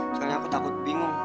soalnya aku takut bingung